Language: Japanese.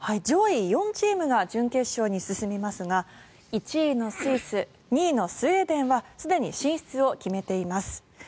上位４チームが準決勝に進みますが１位のスイス２位のスウェーデンはすでに進出を決めています。